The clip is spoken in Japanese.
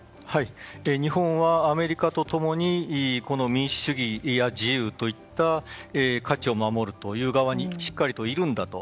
日本はアメリカと共にこの民主主義や自由といった価値を守るという側にしっかりといるんだと。